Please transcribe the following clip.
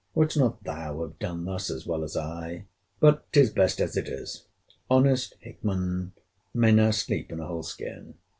—Wouldst not thou have done thus, as well as I? But, 'tis best as it is. Honest Hickman may now sleep in a whole skin.